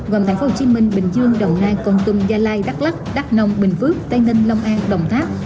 gồm thành phố hồ chí minh bình dương đồng nai còn tùng gia lai đắk lắk đắk nông bình phước tây ninh lông an đồng tháp